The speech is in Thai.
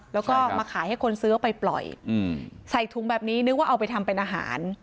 แล้วก็มาขายให้คนซื้อเอาไปปล่อยใส่ถุงแบบนี้นึกว่าเอาไปทำเป็นอาหาร